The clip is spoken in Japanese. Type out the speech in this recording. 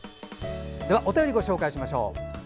では、お便りご紹介します。